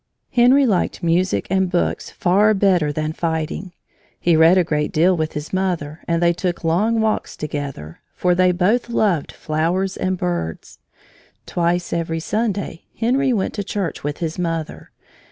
Henry liked music and books far better than fighting. He read a great deal with his mother, and they took long walks together, for they both loved flowers and birds. Twice every Sunday Henry went to church with his mother.